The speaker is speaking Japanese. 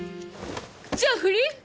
じゃあ不倫？